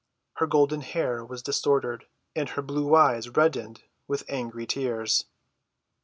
Her golden hair was disordered, and her blue eyes reddened with angry tears.